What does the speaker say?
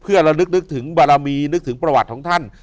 เพื่อระลึกนึกถึงบารมีนึกถึงประวัติของท่าน